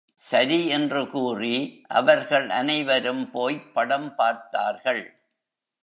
சரி என்ற கூறி, அவர்கள் அனைவரும் போய்ப் படம் பார்த்தார்கள்.